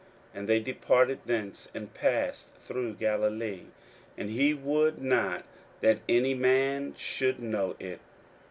41:009:030 And they departed thence, and passed through Galilee; and he would not that any man should know it.